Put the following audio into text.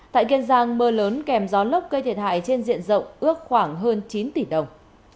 tại kiên giang mưa lớn kèm gió lốc gây thiệt hại trên diện rộng ước khoảng hơn chín tỷ đồng